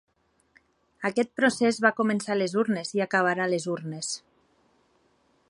Aquest procés va començar a les urnes i acabarà a les urnes.